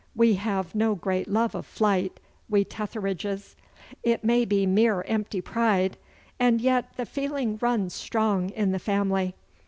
We have no great love of flight, we Tetheridges. It may be mere empty pride, and yet the feeling runs strong in the family.